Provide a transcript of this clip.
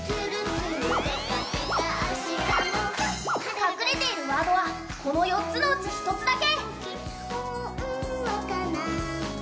隠れているワードはこの４つのうち１つだけ。